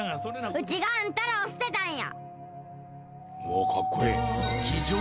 うちがあんたらを捨てたんや！